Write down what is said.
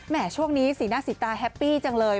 ช่วงนี้สีหน้าสีตาแฮปปี้จังเลย